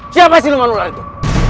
siapa siluman ular itu